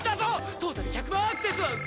トータル１００万アクセスは。